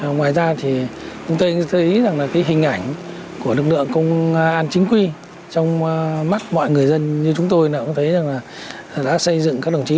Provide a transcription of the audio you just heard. ngoài ra chúng tôi thấy hình ảnh của lực lượng công an chính quy trong mắt mọi người dân như chúng tôi đã xây dựng các đồng chí